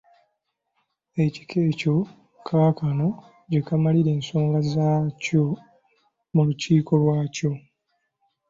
Ekika ekyo kaakano kyemalira ensonga zaakyo mu Lukiiko lwakyo.